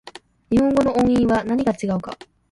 日本語の音韻は何が違うか